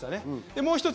もう一つ